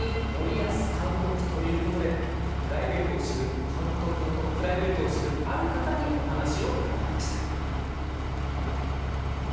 プライベートを知る監督のプライベートを知るある方にお話を伺いました。